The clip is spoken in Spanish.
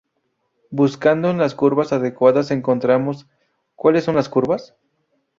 Buscando en las curvas adecuadas encontramos:¿Cuales son las curvas?